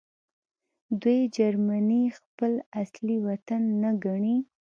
دوی جرمني خپل اصلي وطن نه ګڼي